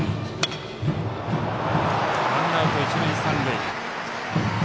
ワンアウト、一塁三塁。